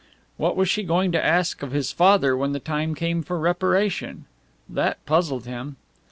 What was she going to ask of his father when the time came for reparation? That puzzled him.